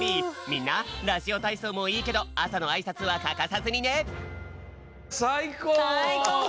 みんなラジオたいそうもいいけどあさのあいさつはかかさずにねさいこう！